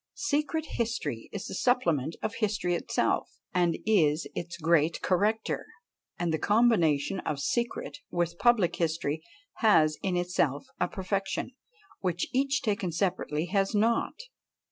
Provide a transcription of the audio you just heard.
Secret history is the supplement of history itself, and is its great corrector; and the combination of secret with public history has in itself a perfection, which each taken separately has not.